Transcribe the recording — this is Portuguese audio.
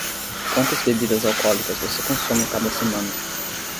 Quantas bebidas alcoólicas você consome a cada semana?